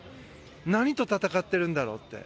何と戦ってるんだろうって。